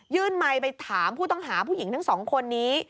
ไมค์ไปถามผู้ต้องหาผู้หญิงทั้งสองคนนี้